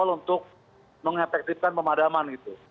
untuk mengefektifkan pemadaman itu